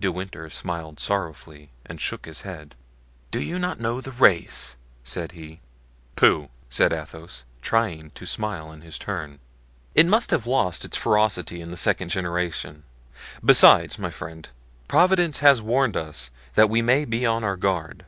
De Winter smiled sorrowfully and shook his head. "Do you not know the race?" said he. "Pooh!" said Athos, trying to smile in his turn. "It must have lost its ferocity in the second generation. Besides, my friend, Providence has warned us, that we may be on our guard.